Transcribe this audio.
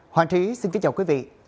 hoàng trí xin kính chào quý vị